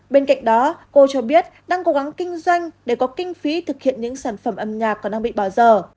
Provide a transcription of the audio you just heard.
bên cạnh đó cô cho biết đang cố gắng kinh doanh để có kinh phí thực hiện những sản phẩm âm nhạc có năng bị bỏ dở